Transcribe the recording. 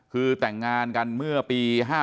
คือแต่งงานกันเมื่อปี๕๗